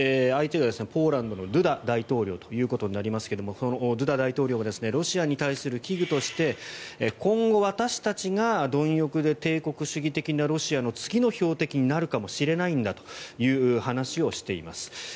相手がポーランドのドゥダ大統領となりますがそのドゥダ大統領はロシアに対する危惧として今後、私たちがどん欲で帝国主義的なロシアの次の標的になるかもしれないんだという話をしています。